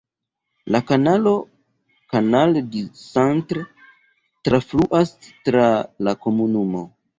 La kanalo Canal du Centre trafluas tra la komunumo.